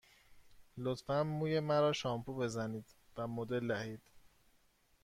لطفاً موی مرا شامپو بزنید و مدل دهید.